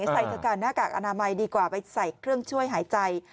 ใส่เถอะค่ะหน้ากากอนามัยดีกว่าไปใส่เครื่องช่วยหายใจ